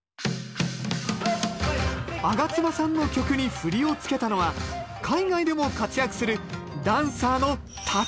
上妻さんの曲に振りを付けたのは海外でも活躍するダンサーのＴＡＫＡＨＩＲＯさん。